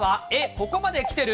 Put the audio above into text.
ここまで来てる？